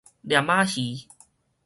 鯰仔魚